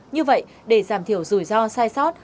như vậy để giảm thiểu rủi ro sai sót